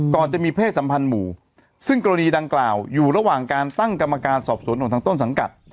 จะมีเพศสัมพันธ์หมู่ซึ่งกรณีดังกล่าวอยู่ระหว่างการตั้งกรรมการสอบสวนของทางต้นสังกัด